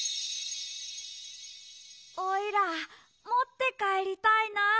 おいらもってかえりたいな。